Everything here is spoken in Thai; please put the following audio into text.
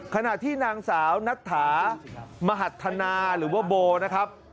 ขณะที่นางสาวนัทธามหัฒนาหรือว่าโบนะครับ